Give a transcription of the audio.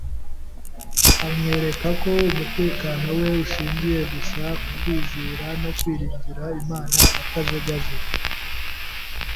amwereka ko umutekano we ushingiye gusa mu kwizera no kwiringira Imana atajegajega